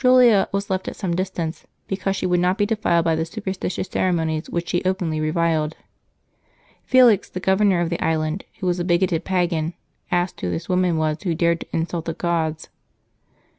Julia was left at some dis tance, because she would not be defiled by the superstitious ceremonies which she openly reviled. Felix, the governor of the island, who was a bigoted pagan, asked who this woman was who dared to insult the gods.